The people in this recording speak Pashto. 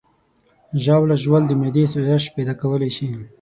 ژاوله ژوول د معدې سوزش پیدا کولی شي.